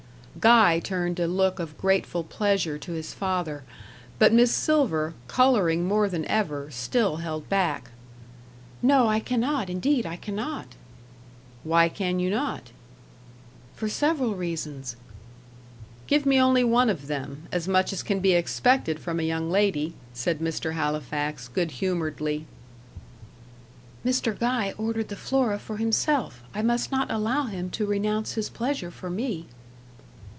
Guy turned a look of grateful pleasure to his father; but Miss Silver, colouring more than ever, still held back. "No, I cannot; indeed I cannot." "Why can you not?" "For several reasons." "Give me only one of them as much as can be expected from a young lady," said Mr. Halifax, good humouredly. "Mr. Guy ordered the Flora for himself. I must not allow him to renounce his pleasure for me."